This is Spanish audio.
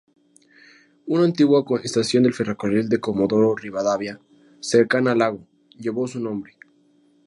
Una antigua estación del Ferrocarril de Comodoro Rivadavia, cercana al lago, llevó su nombre.